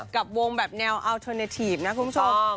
กับวงแบบแนวอัลเทอร์เนทีฟนะคุณผู้ชม